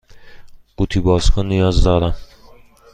قوطی باز کن نیاز دارم.